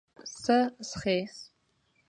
څه څښې؟